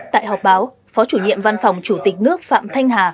tại họp báo phó chủ nhiệm văn phòng chủ tịch nước phạm thanh hà